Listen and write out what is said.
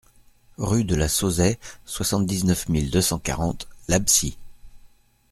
Rue de la Sauzaie, soixante-dix-neuf mille deux cent quarante L'Absie